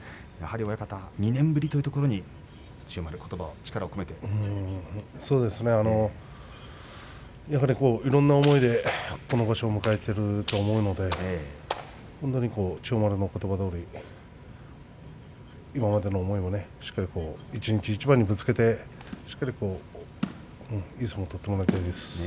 親方２年ぶりというところに千代丸、ことば、力を込めてやはりいろんな思いでこの場所を迎えていると思うので千代丸のことばどおり今までの思いもしっかり一日一番にぶつけていい相撲を取ってもらいたいです。